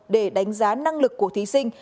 để đánh giá năng lực của thí sinh